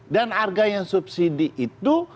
dan arga yang subsidi itu